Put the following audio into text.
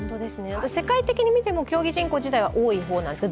世界的に見ても競技人口自体は全体で多い方なんですか？